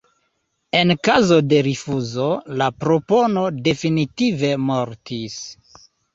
En kazo de rifuzo, la propono definitive mortis.